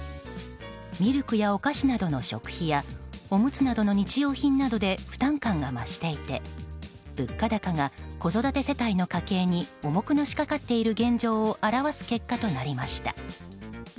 ミルクやお菓子などの食費やおむつなどの日用品などで負担感が増していて物価高が子育て世帯の家計に重くのしかかっている現状を表す結果となりました。